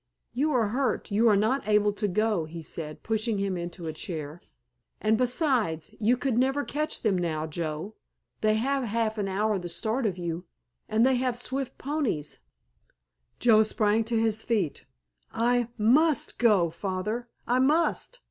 "You are hurt—you are not able to go," he said, pushing him into a chair. "And besides, you could never catch them now, Joe. They have half an hour the start of you, and they have swift ponies——" Joe sprang to his feet. "I must go, Father—I must!